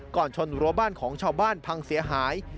ชนรั้วบ้านของชาวบ้านพังเสียหาย